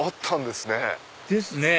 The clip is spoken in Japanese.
ですね